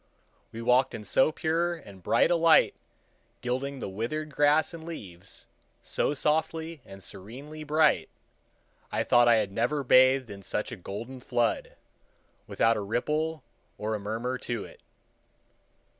We walked in so pure and bright a light, gilding the withered grass and leaves, so softly and serenely bright, I thought I had never bathed in such a golden flood, without a ripple or a murmur to it.